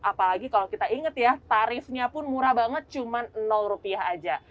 apalagi kalau kita ingat ya tarifnya pun murah banget cuma rupiah aja